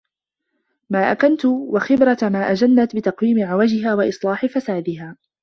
مَا أَكَنَّتْ ، وَخِبْرَةِ مَا أَجَنَّتْ بِتَقْوِيمِ عِوَجِهَا وَإِصْلَاحِ فَسَادِهَا